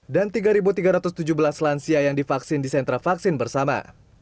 dan tiga tiga ratus tujuh belas lansia yang divaksin di sentra vaksin bersama